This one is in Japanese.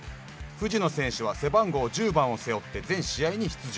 藤野選手は背番号１０番を背負って全試合に出場。